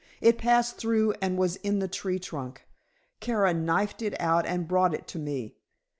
It passed through and was in the tree trunk. Kara knifed it out and brought it to me.